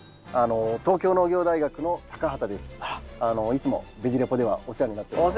いつも「ベジ・レポ」ではお世話になっております。